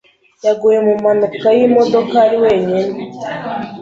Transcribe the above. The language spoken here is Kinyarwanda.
yaguye mu mpanuka y’imodoka ari wenyine